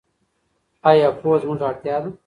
ایا پوهه زموږ اړتیا ده؟